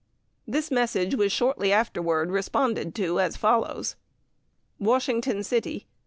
This message was shortly afterward responded to as follows: WASHINGTON CITY.